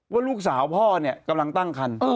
ว่าลูกสาวพ่อเนี่ยกำลังตั้งคัน